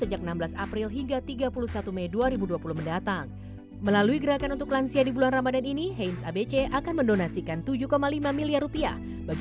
bagi pilihan manfaatnya pada pcos banyak orang di comekonnaise di allahabad